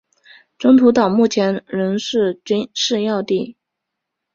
中途岛目前仍是军事要地。